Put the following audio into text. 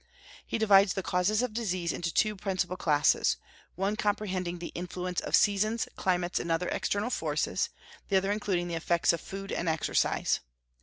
He divides the causes of disease into two principal classes, the one comprehending the influence of seasons, climates, and other external forces; the other including the effects of food and exercise.